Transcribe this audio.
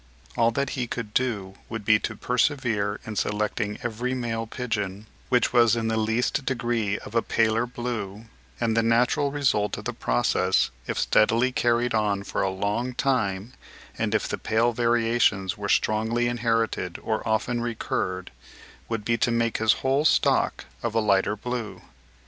All that he could do would be to persevere in selecting every male pigeon which was in the least degree of a paler blue; and the natural result of this process, if steadily carried on for a long time, and if the pale variations were strongly inherited or often recurred, would be to make his whole stock of a lighter blue.